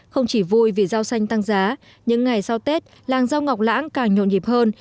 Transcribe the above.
không chỉ vui vì rau xanh tăng giá những ngày sau tết làng rau ngọc lãng càng nhộn nhịp hơn